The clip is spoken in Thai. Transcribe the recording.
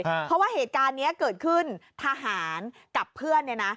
เพราะว่าเหตุการณ์นี้เกิดขึ้นทหารกับเพื่อนเนี่ยนะ